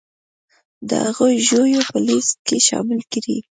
د هغو ژویو په لیست کې شامل کړي